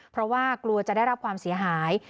เพราะว่ากลัวจะได้รับความเสียหาย